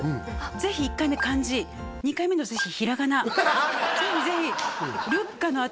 「是非」１回目漢字２回目の「ぜひ」ひらがな